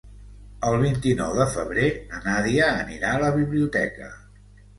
El vint-i-nou de febrer na Nàdia anirà a la biblioteca.